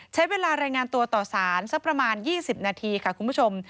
ใช้เวลารายงานตัวต่อสารสักประมาณ๒๐นาทีค่ะคุณผู้ชม